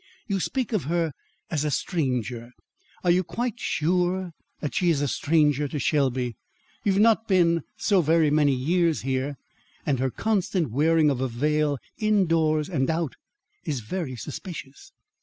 "You speak of her as a stranger. Are you quite sure that she is a stranger to Shelby? You have not been so very many years here, and her constant wearing of a veil in doors and out is very suspicious."